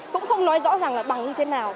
cũng không nói rõ rằng là bằng như thế nào